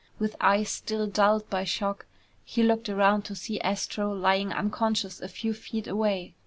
With eyes still dulled by shock, he looked around to see Astro lying unconscious a few feet away.